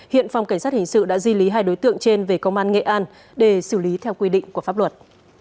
hiện phòng cảnh sát hình sự đã di lý hai đối tượng trên về công an nghệ an để xử lý theo quy định của pháp luật